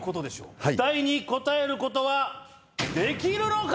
はい期待に応えることはできるのか？